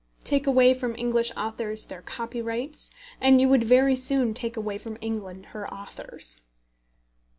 Take away from English authors their copyrights, and you would very soon take away from England her authors.